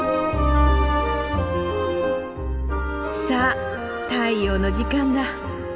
さあ太陽の時間だ。